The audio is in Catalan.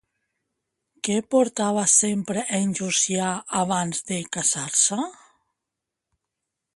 Què portava sempre en Llucià abans de casar-se?